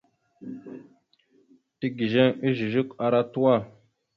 Tigizeŋ ezœzœk ara tuwa.